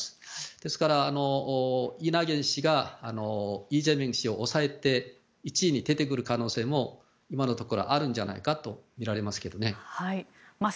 ですから、イ・ナギョン氏がイ・ジェミョン氏を抑えて１位に出てくる可能性も今のところあるんじゃないかとみられます。